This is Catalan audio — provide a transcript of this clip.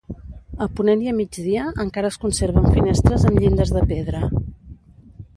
A ponent i a migdia encara es conserven finestres amb llindes de pedra.